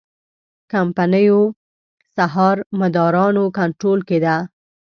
کمپنیو سهامدارانو کنټرول کې ده.